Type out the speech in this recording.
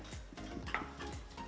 itu adalah sambalnya